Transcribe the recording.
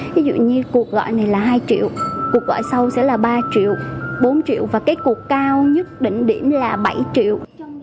ví dụ như cuộc gọi này là hai triệu cuộc gọi sau sẽ là ba triệu bốn triệu và kết cuộc cao nhất định điểm là bảy triệu